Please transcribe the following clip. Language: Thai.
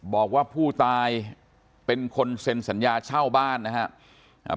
บอกว่าผู้ตายเป็นคนเซ็นสัญญาเช่าบ้านนะครับ